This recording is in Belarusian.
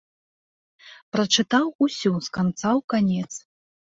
Прачытаў усю з канца ў канец.